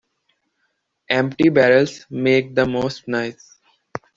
Empty barrels make the most noise.